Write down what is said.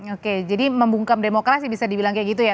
oke jadi membungkam demokrasi bisa dibilang kayak gitu ya